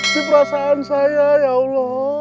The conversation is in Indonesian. di perasaan saya ya allah